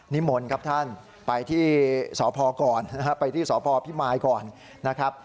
นิมนต์ครับท่านไปที่สพพิมายก่อนนะครับ